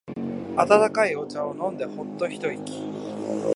温かいお茶を飲んでホッと一息。